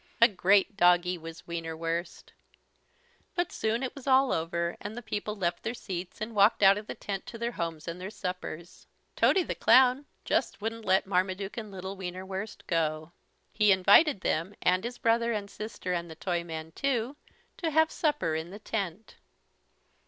A great doggie was Wienerwurst. But soon it was all over and the people left their seats, and walked out of the tent to their homes and their suppers. Tody the Clown just wouldn't let Marmaduke and little Wienerwurst go. He invited them and his brother and sister and the Toyman, too, to have supper in the tent.